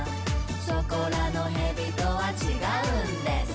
「そこらのへびとはちがうんです！」